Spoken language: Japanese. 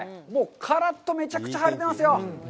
カラッとめちゃくちゃ晴れてますよ。